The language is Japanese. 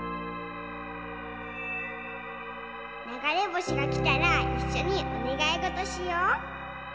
ながれぼしがきたらいっしょにおねがいごとしよう。